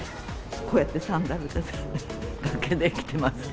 こうやってサンダルだけで来てます。